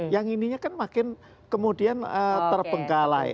yang ininya kan makin kemudian terbengkalai